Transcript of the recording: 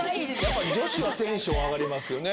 女子はテンション上がりますよね。